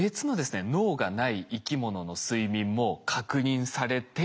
脳がない生きものの睡眠も確認されて。